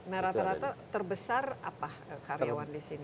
nah rata rata terbesar apa karyawan di sini